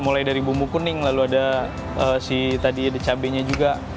mulai dari bumbu kuning lalu ada si tadi ada cabainya juga